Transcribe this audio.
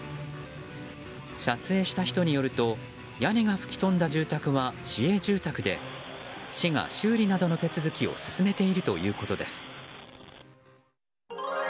撮影した人によると屋根が吹き飛んだ住宅は市営住宅で市が修理などの手続きを進めているということです。